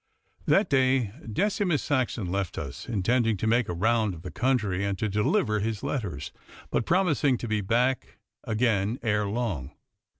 That day Decimus Saxon left us, intending to make a round of the country and to deliver his letters, but promising to be back again ere long.